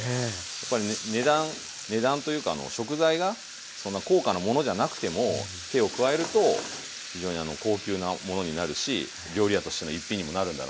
やっぱり値段というか食材がそんな高価なものじゃなくても手を加えると非常にあの高級なものになるし料理屋としての一品にもなるんだなと。